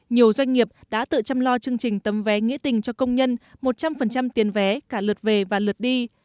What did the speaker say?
nhiều doanh nghiệp đã tự chăm lo chương trình tấm vé nghĩa tình cho công nhân một trăm linh tiền vé cả lượt về và lượt đi